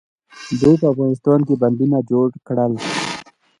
دوی په افغانستان کې بندونه جوړ کړل.